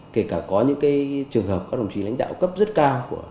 kể cả có những trường hợp các đồng chí lãnh đạo cấp rất cao